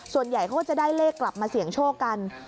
ส่วนใหญ่เขาก็จะได้เลขกลับมาเสี่ยงโชคกัน